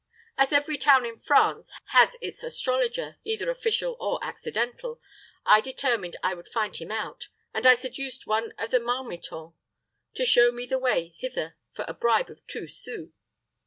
As every town in France has its astrologer, either official or accidental, I determined I would find him out, and I seduced one of the marmitons to show me the way hither for a bribe of two sous.